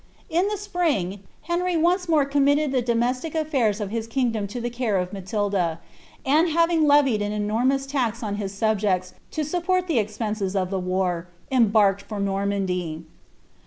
Id tlie spring, Henry once more commiiied the domeaiic aSiun of hi* kingdom to the cnre of Matilda, and having levied an enormous tux on his subjects, lo support the upensca of the war, eintwrked for S<v mnndy.